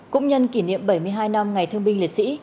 cũng nhân kỷ niệm bảy mươi hai năm ngày thương binh liệt sĩ